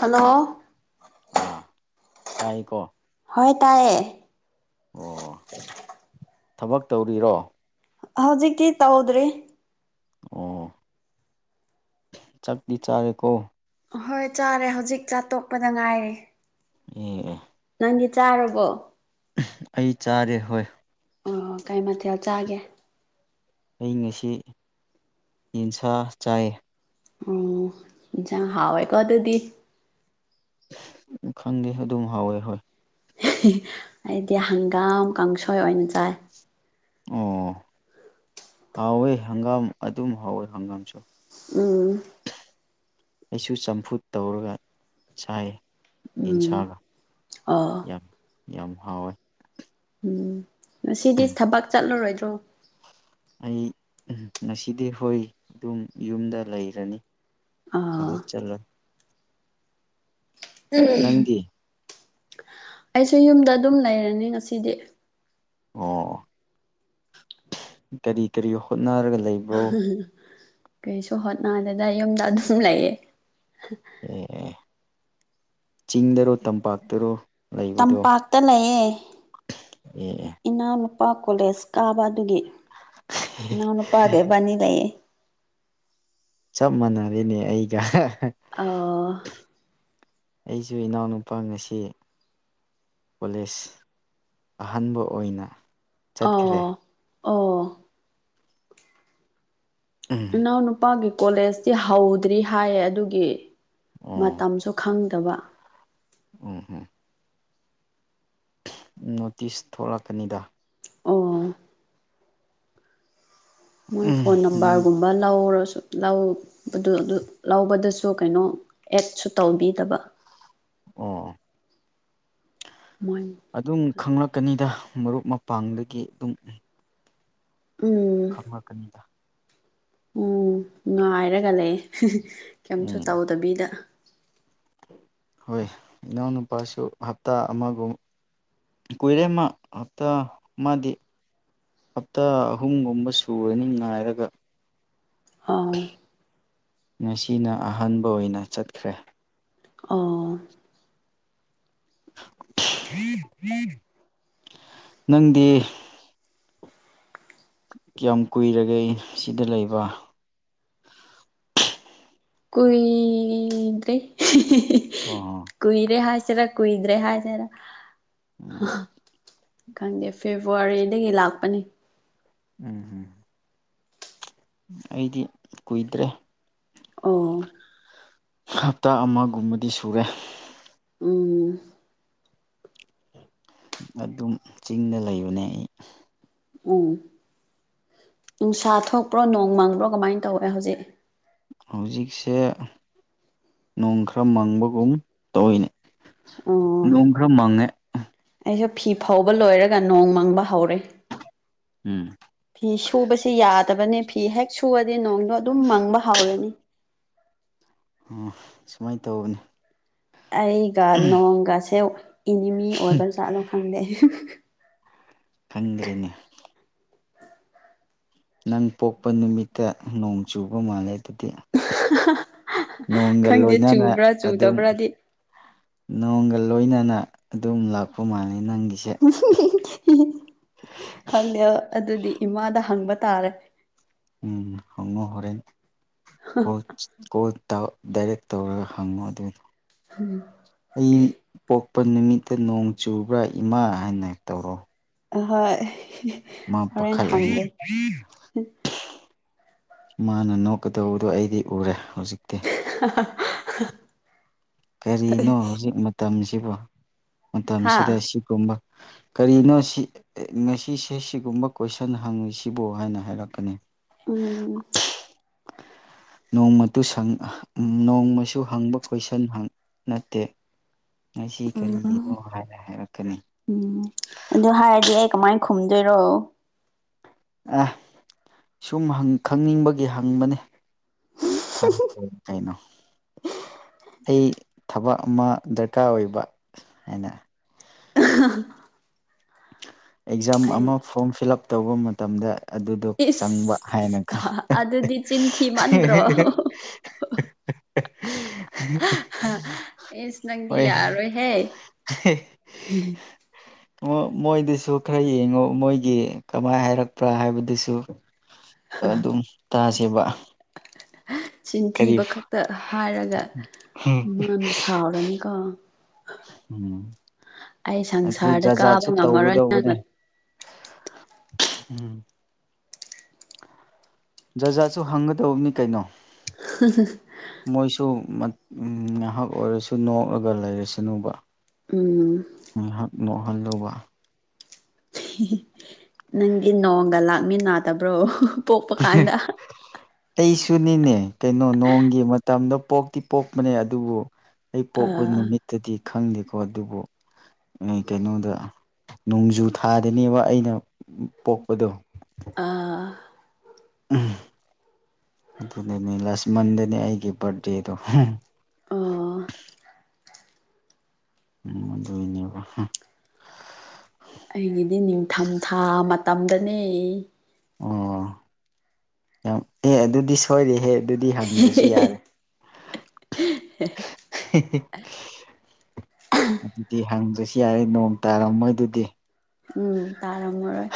hello ꯑꯥ ꯇꯥꯏꯀꯣ ꯍꯣꯏ ꯇꯥꯏꯌꯦ ꯑꯣ ꯊꯕꯛ ꯇꯧꯔꯤꯔꯣ ꯍꯧꯖꯤꯛꯇꯤ ꯇꯧꯗ꯭ꯔꯤ ꯑꯣ ꯆꯥꯠ ꯆꯥꯔꯦꯀꯣ ꯑꯍꯣꯏ ꯆꯥꯔꯦ ꯍꯧꯖꯤꯛ ꯆꯥꯛꯇꯣꯛꯄꯗ ꯉꯥꯏꯔꯦ ꯎꯝ ꯅꯪꯗꯤ ꯆꯥꯔꯕꯣ ꯑꯩ ꯆꯥꯔꯦ ꯍꯣꯏ ꯑꯣ ꯀꯩ ꯃꯊꯦꯜ ꯆꯥꯒꯦ ꯑꯩ ꯉꯁꯤ ꯌꯦꯟꯁꯥ ꯆꯥꯏ ꯑꯣ ꯏꯟꯁꯥꯡ ꯍꯥꯎꯋꯦꯀꯣ ꯑꯗꯨꯗꯤ ꯈꯪꯗꯦ ꯑꯗꯨꯝ ꯍꯥꯎꯋꯦ ꯍꯣꯏ ꯑꯩꯗꯤ ꯍꯪꯒꯥꯝ ꯀꯥꯡꯁꯣꯏ ꯑꯣꯏꯅ ꯆꯥꯏ ꯑꯣ ꯍꯥꯎꯋꯦ ꯍꯪꯒꯥꯝ ꯑꯗꯨꯝ ꯍꯥꯎꯋꯦ ꯍꯪꯒꯥꯝꯁꯨ ꯎꯝ ꯑꯩꯁꯨ ꯆꯝꯐꯨꯠ ꯇꯧꯔꯒ ꯆꯥꯏ ꯎꯝ ꯌꯦꯟꯁꯥꯒ ꯑꯣ ꯌꯥꯝ ꯌꯥꯝ ꯍꯥꯎꯋꯦ ꯎꯝ ꯉꯁꯤꯗꯤ ꯊꯕꯛ ꯆꯠꯂꯔꯣꯏꯗ꯭ꯔꯣ ꯑꯩ ꯉꯁꯤꯗꯤ ꯍꯣꯏ ꯑꯗꯨꯝ ꯌꯨꯝꯗ ꯂꯩꯔꯅꯤ ꯑꯥ ꯊꯕꯛ ꯆꯠꯂ ꯎꯝ ꯅꯪꯗꯤ ꯑꯩꯁꯨ ꯌꯨꯝꯗ ꯑꯗꯨꯝ ꯂꯩꯔꯅꯤ ꯉꯁꯤꯗꯤ ꯑꯣ ꯀꯔꯤ ꯀꯔꯤ ꯍꯣꯠꯅꯔꯒ ꯂꯩ ꯀꯩꯁꯨ ꯍꯣꯠꯅꯗꯦꯗ ꯌꯨꯝꯗ ꯑꯗꯨꯝ ꯂꯩꯌꯦ ꯑꯦ ꯆꯤꯡꯗꯔꯣ ꯇꯝꯄꯥꯛꯇꯔꯣ ꯂꯩꯕꯗꯣ ꯇꯝꯄꯥꯛꯇ ꯂꯩꯌꯦ ꯑꯦ ꯏꯅꯥꯎꯅꯨꯄꯥ ꯀꯣꯂꯦꯖ ꯀꯥꯕ ꯑꯗꯨꯒꯤ ꯑꯦ ꯏꯅꯥꯎꯅꯨꯄꯥ ꯏꯕꯥꯅꯤ ꯂꯩꯌꯦ ꯆꯞ ꯃꯥꯟꯅꯔꯤꯅꯦ ꯑꯩꯒ ꯑꯣ ꯑꯩꯁꯨ ꯏꯅꯥꯎꯅꯨꯄꯥ ꯉꯁꯤ ꯀꯣꯂꯦꯖ ꯑꯍꯥꯟꯕ ꯑꯣꯏꯅ ꯆꯠꯈ꯭ꯔꯦ ꯑꯥꯎ ꯑꯣ ꯎꯝ ꯏꯅꯥꯎ ꯅꯨꯄꯥꯒꯤ ꯀꯣꯂꯦꯖꯇꯤ ꯍꯧꯗ꯭ꯔꯤ ꯍꯥꯏꯌꯦ ꯑꯗꯨꯒꯤ ꯑꯣ ꯃꯇꯝꯁꯨ ꯈꯪꯗꯕ ꯎꯝ ꯍꯝ ꯅꯣꯇꯤꯁ ꯊꯣꯛꯂꯛꯀꯅꯤꯗ ꯑꯣ ꯃꯣꯏ ꯎꯝ ꯐꯣꯟ ꯅꯪ ꯅꯝꯕꯔꯒꯨꯝꯕ ꯂꯧꯔꯁꯨ ꯂꯧꯕꯗꯨ ꯑꯗꯨ ꯂꯧꯕꯗꯁꯨ ꯀꯩꯅꯣ ꯑꯦꯠꯁꯨ ꯇꯧꯕꯤꯗꯕ ꯑꯣ ꯃꯣꯏ ꯑꯗꯨꯝ ꯈꯪꯂꯛꯀꯅꯤꯗ ꯃꯔꯨꯞ ꯃꯄꯥꯡꯗꯒꯤ ꯑꯗꯨꯝ ꯎꯝ ꯀꯅꯤꯗ ꯎꯝ ꯉꯥꯏꯔꯒ ꯂꯩ ꯀꯩꯝꯁꯨ ꯎꯝ ꯇꯧꯗꯕꯤꯗ ꯍꯣꯏ ꯏꯅꯥꯎꯅꯨꯄꯥꯁꯨ ꯍꯞꯇꯥ ꯑꯃꯒꯨꯝ ꯀꯨꯏꯔꯦꯝꯃ ꯍꯞꯇꯥ ꯃꯥꯗꯤ ꯍꯞꯇꯥ ꯑꯍꯨꯝꯒꯨꯝꯕ ꯁꯨꯔꯅꯤ ꯉꯥꯏꯔꯒ ꯑꯥꯎ ꯉꯁꯤꯅ ꯑꯍꯥꯟꯕ ꯑꯣꯏꯅ ꯆꯠꯈ꯭ꯔꯦ ꯑꯣ ꯅꯪꯗꯤ ꯀꯌꯥꯝ ꯀꯨꯏꯔꯒꯦ ꯑꯩ ꯁꯤꯗ ꯂꯩꯕ ꯀꯨꯏꯗꯦ ꯑꯣ ꯀꯨꯏꯔꯦ ꯍꯥꯏꯁꯦꯔ ꯀꯨꯏꯗ꯭ꯔꯦ ꯍꯥꯏꯁꯦꯔ ꯎꯝ ꯈꯪꯗꯦ ꯐꯦꯕꯋꯥꯔꯤꯗꯒꯤ ꯂꯥꯛꯄꯅꯤ ꯎꯝ ꯎꯝ ꯑꯩꯗꯤ ꯀꯨꯏꯗ꯭ꯔꯦ ꯑ ꯍꯞꯇꯥ ꯑꯃꯒꯨꯝꯕꯗꯤ ꯁꯨꯔꯦ ꯎꯝ ꯑꯗꯨꯝ ꯆꯤꯡꯗ ꯂꯩꯕꯅꯦ ꯑꯩ ꯎꯝ ꯅꯨꯡꯁꯥ ꯊꯣꯛꯄ꯭ꯔꯣ ꯅꯣꯡ ꯃꯥꯡꯕ꯭ꯔꯣ ꯀꯃꯥꯏꯅ ꯇꯧꯋꯦ ꯍꯧꯖꯤꯛ ꯍꯧꯖꯤꯛꯁꯦ ꯅꯣꯡ ꯈꯔ ꯃꯪꯕꯒꯨꯝ ꯇꯧꯏꯅꯦ ꯑꯣ ꯅꯣꯡ ꯈꯔ ꯃꯪꯉꯦ ꯑꯩꯁꯨ ꯐꯤ ꯐꯧꯕ ꯂꯣꯏꯔꯒ ꯅꯣꯡ ꯃꯪꯕ ꯍꯧꯔꯦ ꯎꯝ ꯐꯤ ꯁꯨꯕꯁꯤ ꯌꯥꯗꯕꯅꯤ ꯐꯤ ꯍꯦꯛ ꯁꯨꯨꯔꯗꯤ ꯅꯣꯡꯗꯣ ꯑꯗꯨꯝ ꯃꯪꯕ ꯍꯧꯥꯎꯔꯅꯤ ꯑꯣ ꯁꯨꯃꯥꯏꯅ ꯇꯧꯕꯅꯦ ꯑꯩꯒ ꯅꯣꯡꯒꯁꯦ ꯏꯅꯤꯃꯤ ꯑꯣꯏꯕ ꯆꯥꯠꯂꯣ ꯈꯪꯗꯦ ꯈꯪꯗ꯭ꯔꯤꯅꯦ ꯅꯪ ꯄꯣꯛꯄ ꯅꯨꯃꯤꯠꯇ ꯅꯣꯡ ꯆꯨꯕ ꯃꯥꯜꯂꯦ ꯑꯗꯨꯗꯤ ꯅꯣꯡꯒ ꯈꯪꯗꯦ ꯂꯣꯏꯅꯅ ꯆꯨꯕ꯭ꯔꯥ ꯑꯗꯨꯝ ꯆꯨꯗꯕ꯭ꯔꯗꯤ ꯅꯣꯡꯒ ꯂꯣꯏꯅꯅ ꯑꯗꯨꯝ ꯂꯥꯛꯄ ꯃꯥꯜꯂꯦ ꯅꯪꯒꯤꯁꯦ ꯈꯪꯗꯦ ꯑꯗꯨꯗꯤ ꯏꯃꯥꯗ ꯍꯪꯕ ꯇꯥꯔꯦ ꯎꯝ ꯃꯅ ꯍꯣꯔꯦꯟ ꯀꯣꯆ ꯀꯣ ꯗꯥꯏꯔꯦꯛ ꯇꯧꯔꯒ ꯍꯪꯉꯣ ꯑꯗꯨꯒꯤꯗꯣ ꯎꯝ ꯑꯩ ꯄꯣꯛꯄ ꯅꯨꯃꯤꯠꯇ ꯅꯣꯡ ꯆꯨꯕ꯭ꯔꯥ ꯏꯃꯥ ꯍꯥꯏꯅ ꯇꯧꯔꯣ ꯍꯣꯏ ꯃꯥ ꯄꯥꯈꯥꯏ ꯃꯥꯅ ꯅꯣꯛꯀꯗꯧꯕꯗꯣ ꯑꯩꯗꯤ ꯎꯔꯦ ꯍꯧꯖꯤꯛꯇꯤ ꯑ ꯀꯔꯤꯅꯣ ꯍꯧꯖꯤꯛ ꯃꯇꯝꯁꯤꯕꯨ ꯍꯥ ꯃꯇꯝꯁꯤꯗ ꯁꯤꯒꯨꯝꯕ ꯀꯔꯤꯅꯣ ꯁꯤ ꯉꯁꯤꯁꯦ ꯁꯤꯒꯨꯝꯕ ꯀꯣꯏꯁꯟ ꯍꯪꯉꯤꯁꯤꯕꯨ ꯍꯥꯏꯅ ꯍꯥꯏꯔꯛꯀꯅꯤ ꯎꯝ ꯅꯣꯡꯃ ꯅꯣꯡꯃꯁꯨ ꯍꯪꯕ ꯀꯣꯏꯁꯟꯪ ꯅꯠꯇꯦ ꯉꯁꯤ ꯎꯝ ꯀꯔꯤꯒꯤꯅꯣ ꯍꯥꯏꯅ ꯍꯥꯏꯔꯛꯀꯅꯤ ꯎꯝ ꯑꯗꯨ ꯍꯥꯏꯔꯗꯤ ꯑꯩ ꯀꯃꯥꯏ ꯈꯨꯝꯗꯣꯏꯔꯣ ꯑꯥ ꯁꯨꯝ ꯍ‌ꯪ ꯈꯪꯅꯤꯡꯕꯒꯤ ꯍꯪꯕꯅ‌ꯦ ꯍꯥꯏ ꯈꯨꯝ ꯀꯩꯅꯣ ꯑꯩ ꯊꯕꯛ ꯑꯃ ꯗꯔꯀꯥꯔ ꯑꯣꯏꯕ ꯍꯥꯏꯅ [unintelligible] ꯑꯦꯛꯖꯥꯝ ꯑꯩ ꯑꯃꯥ ꯐꯣꯔꯝ ꯐꯤꯜ ꯑꯞ ꯇꯧꯕ ꯃꯇꯝꯗ ꯑꯗꯨꯗꯣ ꯆꯪꯕ ꯏꯁ ꯍꯥꯏꯅ ꯈ‌ꯣ ꯑꯗꯨꯗꯤ ꯆꯤꯟꯊꯤꯃꯟꯗ꯭ꯔꯣ [unintelligible] ꯏꯁ ꯅꯪꯗꯤ ꯍꯣꯏ ꯌꯥꯔꯣꯏꯍꯦ ꯃꯣꯏ ꯃ‌ꯣꯏꯗꯨꯁꯨ ꯈꯔ ꯌꯦꯡꯉ‌ꯣ ꯃꯣꯏꯒꯤ ꯀꯃꯥꯏ ꯍꯥꯏꯔꯛꯄ꯭ꯔꯥ ꯍꯥꯏꯕꯗꯨꯁꯨ ꯑꯗꯨꯝ ꯇꯥꯁꯦꯕ ꯀꯔꯤ ꯆꯤꯟꯊꯤꯕ ꯈꯛꯇ ꯍꯥꯏꯔꯒ ꯃꯥꯅ ꯁꯥꯎꯔꯅꯤꯀꯣ ꯎꯝ ꯑꯩ ꯑꯗꯨ ꯁꯪꯁꯥꯔꯗ ꯖꯥ ꯀꯥꯕ ꯖꯥꯠꯁꯨ ꯉꯝꯃꯔꯣꯏ ꯇꯧꯒꯗꯧꯕꯅꯦ ꯅꯪꯅ ꯎꯝ ꯖꯥꯖꯥꯠꯁꯨ ꯍꯪꯒꯗꯧꯕꯅꯤ ꯀꯩꯅꯣ [unintelligible] ꯃꯣꯏꯁꯨ ꯉꯥꯏꯍꯥꯛ ꯑꯣꯏꯔꯁꯨ ꯅꯣꯛꯑꯒ ꯂꯩꯔꯁꯅꯨꯕ ꯎꯝ ꯉꯥꯏꯍꯥꯛ ꯅꯣꯛꯍꯜꯂꯨꯕ ꯅꯪꯗꯤ ꯅꯣꯡꯒ ꯂꯥꯛꯃꯤꯟꯅꯗꯕ꯭ꯔꯣ ꯄꯣꯛꯄ ꯀꯥꯟꯗ ꯑꯩꯁꯨꯅꯤꯅꯦ ꯀꯩꯅꯣ ꯅꯣꯡꯒꯤ ꯃꯇꯝꯗ ꯄꯣꯛꯇꯤ ꯄꯣꯛꯄꯅꯦ ꯑꯗꯨꯕꯨ ꯑꯩ ꯄꯣꯛꯄ ꯑꯥ ꯅꯨꯃꯤꯠꯇꯗꯤ ꯈꯪꯗꯦꯀꯣ ꯑꯗꯨꯕꯨ ꯀꯩꯅꯣꯗ ꯅꯣꯡꯖꯨ ꯊꯥꯗꯅꯦꯕ ꯑꯩꯅ ꯄꯣꯛꯄꯗꯣ ꯑꯥ ꯑꯗꯨꯗꯅꯦ ꯂꯥꯁ ꯃꯟꯗꯅꯦ ꯑꯩꯒꯤ ꯕꯥꯔꯗꯦꯗꯣ ꯑꯣ ꯎꯝ ꯑꯗꯨꯏꯅꯦꯕ ꯍꯥ ꯑꯩꯒꯤꯗꯤ ꯅꯤꯡꯊꯝꯊꯥ ꯃꯇꯝꯗꯅꯦ ꯑꯣ ꯌꯥꯝ ꯑꯦ ꯑꯗꯨꯗꯤ ꯁꯣꯏꯔꯦꯍꯦ ꯑꯗꯨꯗꯤ ꯍꯪꯗ꯭ꯔꯁꯨ ꯌꯥꯔꯦ [unintelligible] [unintelligible] ꯑꯗꯨꯗꯤ ꯍꯪꯗ꯭ꯔꯁꯨ ꯌꯥꯔꯦ ꯅꯣꯡ ꯇꯥꯔꯝ ꯃꯣꯏ ꯗꯨꯗꯤ ꯎꯝ ꯇꯥꯔꯝꯃꯔꯣꯏ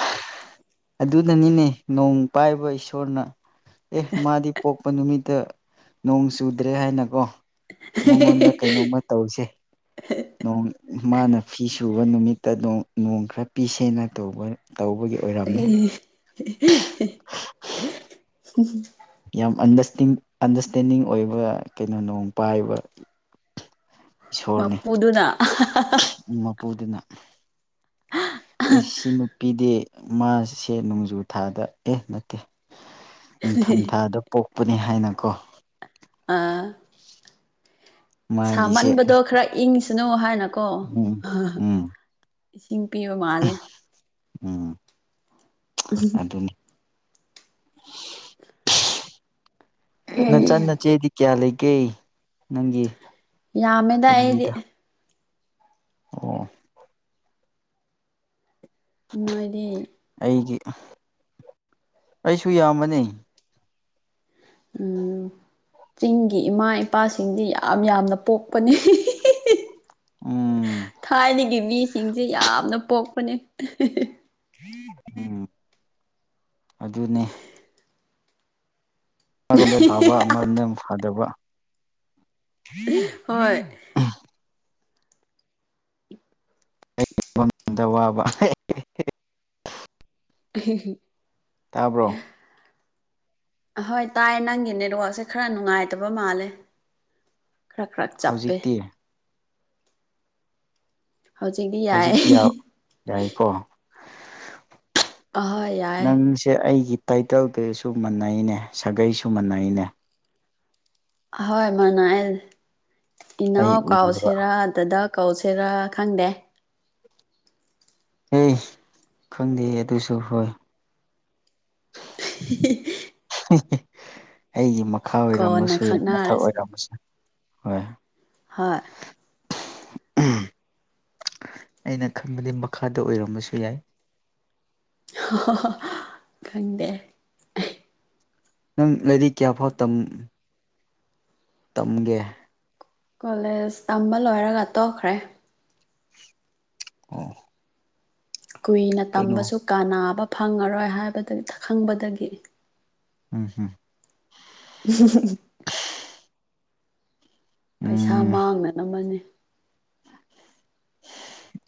ꯑꯗꯨꯅꯅꯤꯅꯦ ꯅꯣꯡ ꯄꯥꯏꯕ ꯏꯁꯣꯔꯅ ꯑꯦ ꯃꯥꯗꯤ ꯄꯣꯛꯄ ꯅꯨꯃꯤꯠꯇ ꯅꯣꯡ ꯆꯨꯗ꯭ꯔꯦ ꯍꯥꯏꯅꯀꯣ ꯃꯉꯣꯟꯗ ꯀꯩꯅꯣꯝꯃ ꯇꯧꯁꯦ ꯅꯣꯡ ꯃꯥꯅ ꯐꯤ ꯁꯨꯕ ꯅꯨꯃꯤꯠꯇ ꯅꯣꯡ ꯅ‌ꯣꯡ ꯈꯔ ꯄꯤꯁꯦꯅ ꯇꯧꯕ ꯇꯧꯕꯒꯤ ꯑꯣꯏꯔꯝꯅꯤ ꯑꯩ [unintelligible] ꯌꯥꯝ ꯑꯟꯗꯁꯇꯤꯡ ꯑꯟꯗꯁꯇꯦꯟꯗꯤꯡ ꯑꯣꯏꯕ ꯀꯩꯅꯣ ꯅꯣꯡ ꯄꯥꯏꯕ ꯃꯄꯨꯗꯨꯅ ꯎꯝ ꯃꯄꯨꯗꯨꯅ ꯏꯁꯤꯡ ꯄꯤꯗ‌ꯦ ꯃꯥꯁꯦ ꯅꯣꯡꯖꯨ ꯊꯥꯗ ꯑꯦ ꯅꯠꯇꯦ ꯅꯤꯡꯊꯝꯊꯥꯗ ꯄꯣꯛꯄꯅꯤ ꯍꯥꯏꯅ ꯀꯣ ꯑꯥ ꯃꯥꯒꯤꯁꯦ ꯁꯥꯃꯟꯕꯗꯣ ꯈꯔ ꯏꯪꯁꯤꯅꯨ ꯍꯥꯏꯅꯀꯣ ꯎꯝ ꯎꯝ ꯏꯁꯤꯡ ꯄꯤꯕꯥ ꯃꯥꯜꯂꯦ ꯎꯝ ꯑꯗꯨꯅꯤ ꯅꯆꯥꯟ ꯅ ꯏꯆꯦꯗꯤ ꯀꯌꯥ ꯂꯩꯒꯦ ꯅꯪꯒꯤ ꯌꯥꯝꯃꯦꯗ ꯑꯩꯗꯤ ꯐꯦꯃꯤꯂꯤꯗ ꯑꯣ ꯅꯣꯏꯗꯤ ꯑꯩꯒꯤ ꯑꯩꯁꯨ ꯌꯥꯝꯕꯅꯤ ꯎꯝ ꯆꯤꯡꯒꯤ ꯏꯃꯥ ꯏꯄꯥꯁꯤꯡꯗꯤ ꯌꯥꯝ ꯌꯥꯝꯅ ꯄꯣꯛꯄꯅꯤ ꯎꯝ ꯊꯥꯏꯅꯒꯤ ꯃꯤꯁꯤꯡꯁꯦ ꯌꯥꯝꯅ ꯄꯣꯛꯄꯅꯦ ꯑꯝ ꯑꯗꯨꯅꯦ ꯃꯔꯣꯟꯗ ꯊꯥꯕ ꯃꯔꯣꯟꯗ ꯑꯃꯛ ꯐꯥꯗꯕ ꯍꯣꯏ ꯗꯕꯕ [inaudible] ꯇꯥꯕ꯭ꯔꯣ [inaudible] ꯑꯍꯣꯏ ꯇꯥꯏ ꯅꯪꯒꯤ ꯅꯦꯠꯋꯥꯛꯁꯦ ꯈꯔ ꯅꯨꯡꯉꯥꯏꯇꯕ ꯃꯥꯜꯂꯦ ꯈꯔ ꯈꯔ ꯆꯞꯄꯦ ꯍꯧꯖꯤꯛꯇꯤ ꯍꯧꯖꯤꯛꯇꯤ ꯌꯥꯏ ꯍꯧꯖꯤꯛꯇꯤ ꯌꯥꯏꯀꯣ ꯑꯍꯣꯏ ꯌꯥꯏ ꯅꯪꯁꯦ ꯑꯩꯒꯤ ꯇꯥꯏꯇꯜꯗꯨꯁꯨ ꯃꯥꯟꯅꯩꯅꯦ ꯁꯥꯒꯩꯁꯨ ꯃꯥꯟꯅꯩꯅꯦ ꯑꯍꯣꯏ ꯃꯅꯥꯏ ꯑꯩ ꯏꯅꯥꯎ ꯎꯕ ꯀꯥꯎꯁꯤꯔꯥ ꯗꯗꯥ ꯀꯧꯁꯤꯔꯥ ꯈꯪꯗꯦ ꯑꯦ ꯈꯪꯗꯦ ꯑꯗꯨꯁꯨ ꯍꯣꯏ ꯍ [inaudible] ꯑꯩꯒꯤ ꯃꯈꯥ ꯀꯣꯟꯅ ꯑꯣꯏꯔꯝꯃꯁꯨ ꯌꯥꯏ ꯃꯊꯛ ꯈꯪꯅꯔꯁꯦ ꯑꯣꯏꯔꯝꯃꯁꯨ ꯍꯣꯏ ꯍꯣꯏ ꯑꯩꯅ ꯈꯟꯕꯗꯤ ꯃꯈꯥꯗ ꯑꯣꯏꯔꯝꯕꯁꯨ ꯌꯥꯏ ꯀꯗꯦ [inaudible] ꯅꯪ ꯂꯥꯢꯔꯤꯛ ꯀꯌꯥꯐꯥꯎ ꯇꯝ ꯇꯝꯒꯦ ꯀꯣꯂꯦꯖ ꯇꯝꯕ ꯂꯣꯏꯔꯒ ꯇꯣꯛꯈ꯭ꯔꯦ ꯑꯣ ꯀꯨꯏꯅ ꯀꯩꯅꯣ ꯇꯝꯕꯁꯨ ꯀꯅꯥꯕ ꯐꯪꯉꯔꯣꯏ ꯍꯥꯏꯕꯗ ꯈꯪꯕꯗꯒꯤ ꯎꯝ ꯍꯝ [inaudible] ꯄꯩꯁꯥ ꯎꯝ ꯃꯥꯡꯅꯕꯅꯤ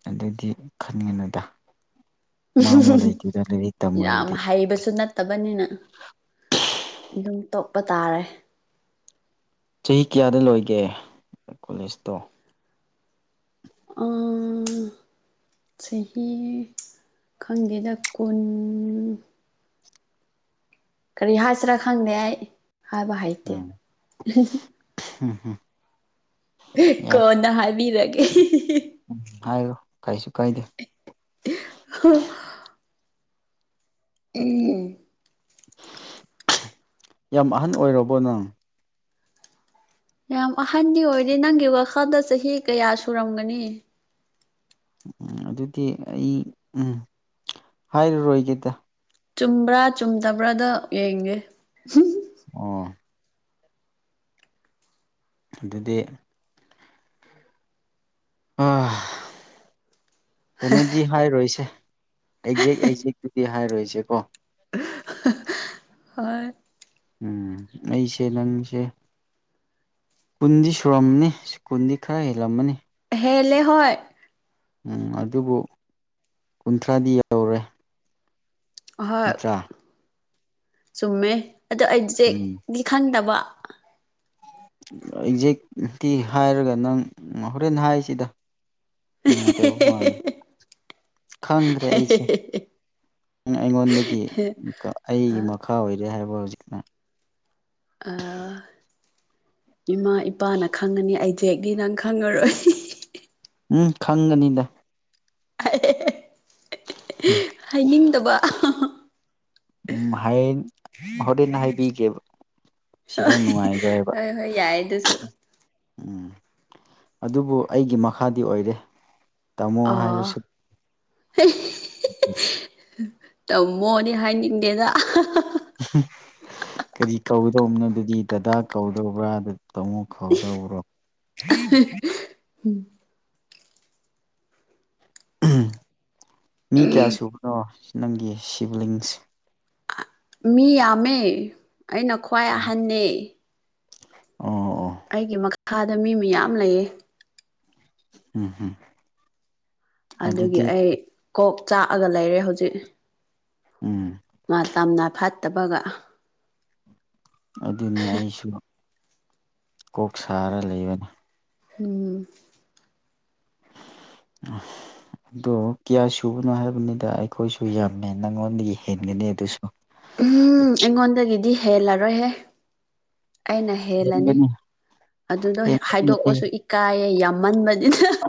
ꯑꯗꯨꯗꯤ ꯈꯟꯒꯅꯨꯗ ꯎꯍꯨꯝ ꯃꯥꯡꯕ ꯍꯨꯝ ꯍꯨꯝ ꯂꯩꯇꯦꯗ ꯂꯥꯏꯔꯤꯛ ꯌꯥꯝ ꯇꯝꯕꯗꯨꯗꯤ ꯍꯩꯕꯁꯨ ꯅꯠ ꯇꯕꯅꯤꯅ ꯑꯗꯨꯝ ꯇꯣꯛꯄꯥ ꯇꯥꯔꯦ ꯆꯍꯤ ꯀꯌꯥꯗ ꯂꯣꯏꯒꯦ ꯀꯣꯂꯦꯖꯇꯣ [unintelligible] ꯆꯍꯤ ꯈꯪꯗꯦꯗ ꯀꯨꯟ ꯀꯔꯤ ꯍꯥꯏꯁꯤꯔꯥ ꯈꯪꯗꯦ ꯑꯩ ꯍꯥꯏꯕ ꯍꯩꯇꯦ ꯎꯝ ꯍꯝ ꯀꯣꯟꯅ ꯍꯥꯏꯕꯤꯔꯒꯦ ꯍꯤ ꯍꯤ ꯍꯤ ꯍꯥꯏꯌꯨ ꯀꯩꯁꯨ ꯀꯥꯏꯗꯦ ꯍꯣ ꯎꯝ ꯌꯥꯝ ꯑꯍꯟ ꯑꯣꯏꯔꯕꯣ ꯅꯪ ꯌꯥꯝ ꯑꯍꯟꯗꯤ ꯑꯣꯏꯗꯦ ꯅꯪꯒꯤ ꯋꯥꯈꯜꯗ ꯆꯍꯤ ꯀꯌꯥ ꯁꯨꯔꯝꯒꯅꯤ ꯎꯝ ꯑꯗꯨꯗꯤ ꯑꯩ ꯎꯝ ꯍꯥꯏꯔꯣꯏꯒꯦꯗ ꯆꯨꯝꯕ꯭ꯔꯥ ꯆꯨꯝꯗꯕ꯭ꯔꯥꯗꯣ ꯌꯦꯡꯒꯦ ꯑꯣ ꯑꯗꯨꯗꯤ ꯑꯥ ꯀꯩꯅꯣꯗꯤ ꯍꯥꯏꯔꯣꯏꯁꯦ ꯑꯦꯛꯖꯦꯛ ꯑꯦꯛꯖꯦꯛꯇꯨꯗꯤ ꯍꯥꯏꯔꯣꯏꯁꯦ ꯀꯣ ꯍꯣꯏ ꯎꯝ ꯑꯩꯁꯦ ꯅꯪꯖꯦ ꯀꯨꯟꯗꯤ ꯁꯨꯔꯝꯅꯤ ꯀꯨꯟꯗꯤ ꯈꯔ ꯍꯦꯜꯂꯝꯃꯅꯤ ꯍꯦꯜꯂꯦ ꯍꯣꯏ ꯎꯝ ꯑꯗꯨꯕꯨ ꯀꯨꯟꯊ꯭ꯔꯥꯗꯤ ꯌꯧꯔꯣꯏ ꯑꯍꯣꯏ ꯆꯨꯝꯃꯦ ꯑꯗꯣ ꯎꯝ ꯑꯦꯛꯖꯦꯛꯗꯤ ꯈꯪꯗꯕ ꯑꯦꯛꯖꯦꯛꯇꯤ ꯍꯥꯏꯔꯒ ꯅꯪ ꯍꯣꯔꯦꯟ ꯍꯥꯏꯔꯁꯤꯗ ꯑꯍꯦ ꯍꯦ ꯍꯦ ꯍꯦ ꯍꯦ ꯍꯦ ꯈꯪꯗ꯭ꯔꯦ ꯑꯩꯁꯦ ꯅꯪ ꯑꯩꯉꯣꯟꯗꯒꯤ ꯑꯩꯒꯤ ꯃꯈꯥ ꯑꯥ ꯑꯣꯏꯔꯦ ꯍꯥꯏꯕ ꯍꯧꯖꯤꯛꯅ ꯑꯥ ꯏꯃꯥ ꯏꯄꯥꯅ ꯈꯪꯉꯅꯤ ꯑꯦꯖꯦꯛꯗꯤ ꯅꯪ ꯈꯪꯉꯔꯣꯏ ꯎꯝ ꯈꯪꯒꯅꯤꯗ ꯑꯥꯍꯦ ꯍꯦ ꯍꯦ ꯍꯝ ꯍꯥꯏꯅꯤꯡꯗꯕ ꯑꯍꯥꯍꯥ ꯍꯥ ꯎꯝ ꯍꯌꯦꯡ ꯍꯣꯔꯦꯟ ꯍꯥꯏꯕꯤꯒꯦꯕ ꯁꯤꯗ ꯅꯨꯡꯉꯥꯏꯔꯣꯏꯕ ꯍꯣꯏ ꯍꯣꯏ ꯍꯥꯏ ꯌꯥꯏ ꯑꯗꯨꯁꯨ ꯎꯝ ꯑꯗꯨꯕꯨ ꯑꯩꯒꯤ ꯃꯈꯥꯗꯤ ꯑꯣꯏꯔꯦ ꯇꯥꯃꯣ ꯍꯥꯏꯔꯁꯨ ꯇꯥꯃꯣꯗꯤ ꯍꯥꯏꯅꯤꯡꯗꯦꯗꯥ [unintelligible] ꯀꯔꯤ ꯀꯧꯗꯧꯕꯅꯣ ꯑꯗꯨꯗꯤ ꯗꯗꯥ ꯀꯧꯗꯧꯕ꯭ꯔꯥ ꯇꯥꯃꯣ ꯀꯧꯗꯧꯕ꯭ꯔꯣ ꯎꯝ ꯃꯤ ꯀꯌꯥ ꯁꯨꯕꯅꯣ ꯅꯪꯒꯤ ꯁꯤꯕ꯭ꯂꯤꯡꯁ ꯃꯤ ꯌꯥꯝꯃꯦ ꯑꯩꯅ ꯈ꯭ꯋꯥꯏ ꯑꯍꯟꯅꯦ ꯑꯣ ꯑꯣ ꯑꯩꯒꯤ ꯃꯈꯥꯗ ꯃꯤ ꯃꯌꯥꯝ ꯂꯩꯌꯦ ꯎꯝ ꯍꯝ ꯑꯗꯨꯒꯤ ꯑꯩ ꯀꯣꯛ ꯆꯥꯛꯑꯒ ꯂꯩꯔꯦ ꯍꯧꯖꯤꯛ ꯎꯝ ꯇꯝꯅ ꯐꯥꯠꯇꯕꯒ ꯑꯗꯨꯅꯤ ꯑꯩꯁꯨ ꯀꯣꯛ ꯁꯥꯔ ꯂꯩꯕꯅꯤ ꯎꯝ ꯎ ꯑꯗꯣ ꯀꯌꯥ ꯁꯨꯕꯅꯣ ꯍꯥꯏꯕꯅꯤꯗ ꯑꯩꯈꯣꯏꯁꯨ ꯌꯥꯝꯃꯦ ꯅꯪꯉꯣꯟꯗꯒꯤ ꯍꯦꯟꯒꯅꯤ ꯑꯗꯨꯁꯨ ꯎꯝ ꯑꯩꯉꯣꯟꯗꯒꯤꯗꯤ ꯍꯦꯜꯂꯔꯣꯏꯍꯦ ꯑꯩꯅ ꯍꯦꯜꯂꯅꯤ ꯍꯦꯟꯒꯅꯤ ꯑꯗꯨꯗꯣ ꯍꯦꯟꯒꯅꯤ ꯑꯩ ꯍꯥꯏꯗꯣꯛꯄꯁꯨ ꯏꯀꯥꯏꯌꯦ ꯌꯥꯝꯃꯟꯕꯅꯤꯅ